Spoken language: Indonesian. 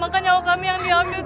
maka nyawa kami yang diambil